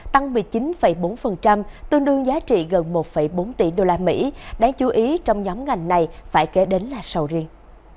tăng một mươi chín bốn tương đương giá trị gần một bốn tỷ usd đáng chú ý trong nhóm ngành này phải kể đến là sầu riêng